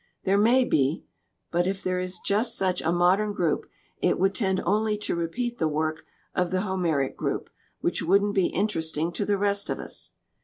There may be, but if there is just such a modern group it would tend only to repeat the work of the Homeric group, which wouldn't be interesting to the rest of us.